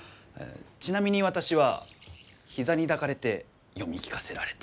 ちなみに私は膝に抱かれて読み聞かせられた。